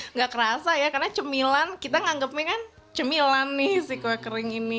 nggak kerasa ya karena cemilan kita nganggepnya kan cemilan nih si kue kering ini